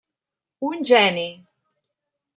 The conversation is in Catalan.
Un geni!